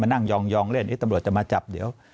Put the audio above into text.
มานั่งยองยองเล่นนี่ตำรวจจะมาจับเดี๋ยว